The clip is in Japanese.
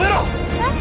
えっ！？